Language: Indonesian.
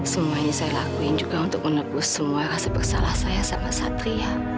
semua ini saya lakuin juga untuk menepu semua rasa bersalah saya sama satria